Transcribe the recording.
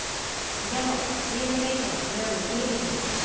でもチームメートはそれを受け入れてる。